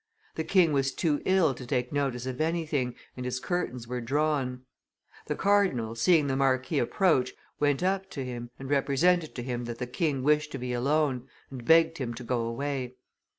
The king was too ill to take notice of anything, and his curtains were drawn. The cardinal, seeing the marquis approach, went up to him, and represented to him that the king wished to be alone, and begged him to go away.